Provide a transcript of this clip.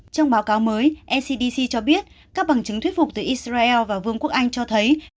trong báo cáo mới ncdc cho biết các bằng chứng thuyết phục từ israel và vương quốc anh cho thấy